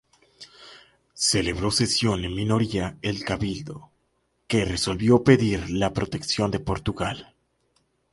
Celebró sesión en minoría el Cabildo, que resolvió pedir la protección de Portugal.